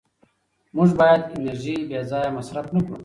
موږ باید انرژي بېځایه مصرف نه کړو